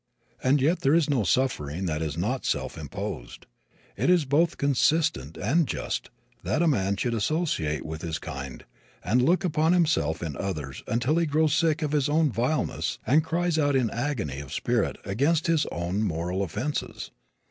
And yet there is no suffering that is not self imposed. It is both consistent and just that a man should associate with his kind and look upon himself in others until he grows sick of his own vileness and cries out in agony of spirit against his own moral offenses.